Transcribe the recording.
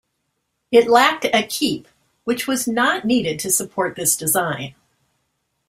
It lacked a keep, which was not needed to support this design.